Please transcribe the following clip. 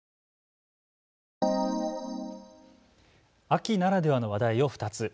秋ならではの話題を２つ。